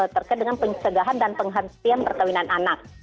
terkait dengan pencegahan dan penghentian perkawinan anak